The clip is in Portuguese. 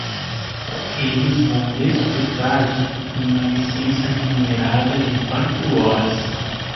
Eles vão desfrutar de uma licença remunerada de quatro horas.